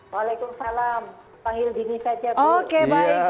waalaikumsalam panggil dini saja bu